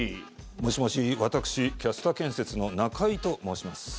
もしもし、私キャスター建設の中居と申します。